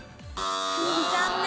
残念。